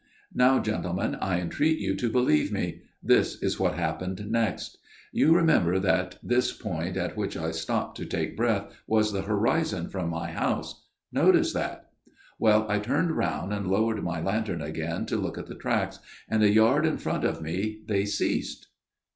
" Now, gentlemen, I entreat you to believe me. This is what happened next. You remember that this point at which I stopped to take breath was the horizon from my house. Notice that. " Well, I turned round, and lowered my lantern again to look at the tracks, and a yard in front of me they ceased.